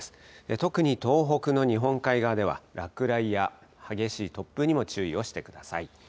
特に東北の日本海側では、落雷や激しい突風にも注意をしてください。